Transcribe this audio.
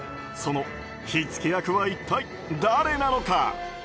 その火付け役は一体誰なのか。